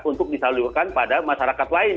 untuk disalurkan pada masyarakat lain